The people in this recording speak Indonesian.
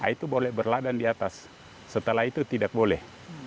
itu boleh berladan di atas setelah itu tidak boleh